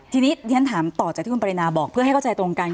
ทีนี้เรียนถามต่อจากที่คุณปรินาบอกเพื่อให้เข้าใจตรงกัน